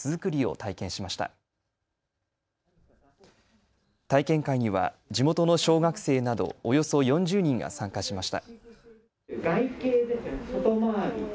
体験会には地元の小学生などおよそ４０人が参加しました。